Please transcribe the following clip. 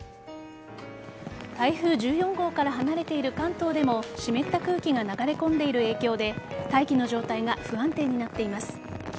台風１４号から離れている関東でも湿った空気が流れ込んでいる影響で大気の状態が不安定になっています。